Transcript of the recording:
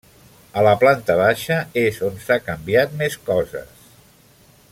A la planta baixa és on s'ha canviat més coses.